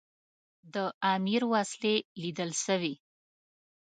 د امیر وسلې لیدل سوي.